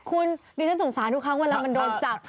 คุณดิฉันสงสารทุกครั้งเวลามันโดนจับ